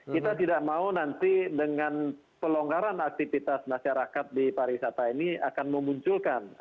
kita tidak mau nanti dengan pelonggaran aktivitas masyarakat di pariwisata ini akan memunculkan